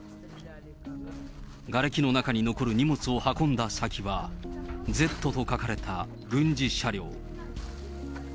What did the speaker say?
がれきの中に残る荷物を運んだ先は、Ｚと書かれた軍事車両。